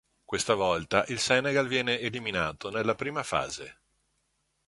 Questa volta il Senegal viene eliminato nella prima fase.